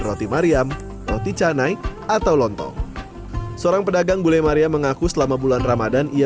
roti mariam roti canai atau lontong seorang pedagang bule maria mengaku selama bulan ramadhan ia